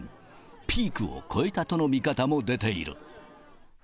ピークを越えたとの見方も出ている。